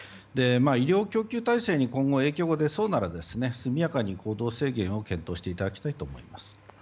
医療供給体制に今後、影響が出そうなら速やかに行動制限を検討していただきたいと思います。